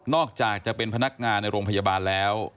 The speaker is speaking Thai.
อกจากจะเป็นพนักงานในโรงพยาบาลแล้ว